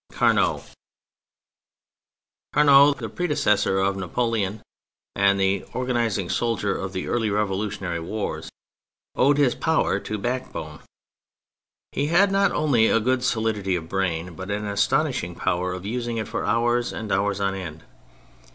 CARNOT Carnot, the predecessor of Napoleon, and the organising soldier of the early revolution ary wars, owed his power to backbone. He had not only a good solidity of brain, but an astonishing power of using it for hours and hours on end.